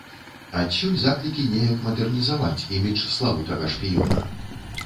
Адсюль заклікі неяк мадэрнізаваць імідж славутага шпіёна.